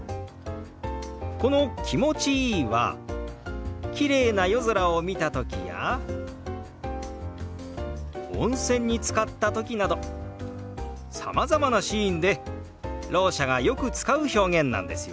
この「気持ちいい」はきれいな夜空を見た時や温泉につかった時などさまざまなシーンでろう者がよく使う表現なんですよ。